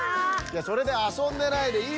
いやそれであそんでないで。